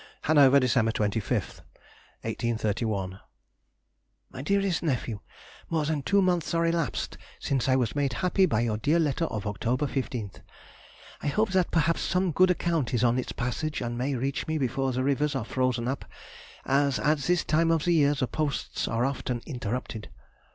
HANOVER, December 25, 1831. DEAREST NEPHEW,— More than two months are elapsed since I was made happy by your dear letter of October 15th.... I hope that perhaps some good account is on its passage and may reach me before the rivers are frozen up, as at this time of the year the posts are often interrupted.